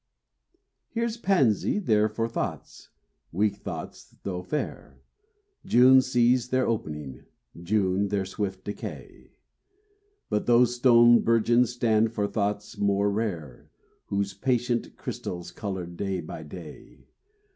"Here's pansies, they're for thoughts" weak thoughts though fair; June sees their opening, June their swift decay. But those stone bourgeons stand for thoughts more rare, Whose patient crystals colored day by day.